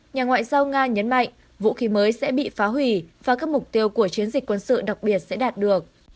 nhà ngoại giao nga nhấn mạnh vũ khí mới sẽ bị phá hủy và các mục tiêu của chiến dịch quân sự đặc biệt sẽ đạt được